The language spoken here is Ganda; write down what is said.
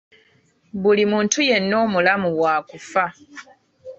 Buli muntu yenna omulamu waakufa.